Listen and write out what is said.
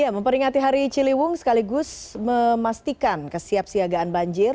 ya memperingati hari ciliwung sekaligus memastikan kesiap siagaan banjir